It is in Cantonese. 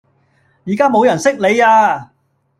而家冇人識你呀